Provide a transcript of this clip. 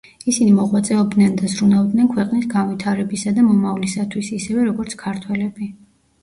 ისინი მოღვაწეობდნენ და ზრუნავდნენ ქვეყნის განვითარებისა და მომავლისათვის ისევე, როგორც ქართველები.